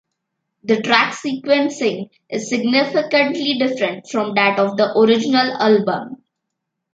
The track sequencing is significantly different from that of the original album.